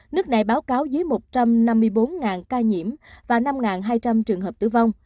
nước này báo cáo dưới một trăm năm mươi bốn ca nhiễm và năm hai trăm linh trường hợp tử vong